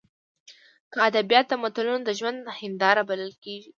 که ادبیات د ملتونو د ژوند هینداره بلل کېږي.